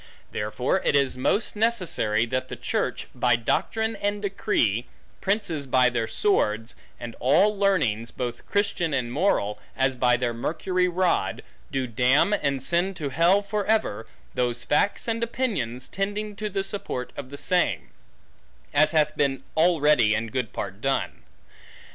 Therefore it is most necessary, that the church, by doctrine and decree, princes by their sword, and all learnings, both Christian and moral, as by their Mercury rod, do damn and send to hell for ever, those facts and opinions tending to the support of the same; as hath been already in good part done.